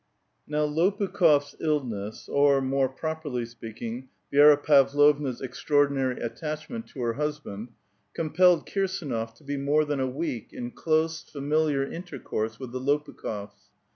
Now Lopukh6f'8 illness, or, more properly speaking, Vi^ra Pavlovna's extraordinary attachment to her husband, com pelled Kirsdnof to be more than a week in close, familiar intercourse with the Lopukh6fs.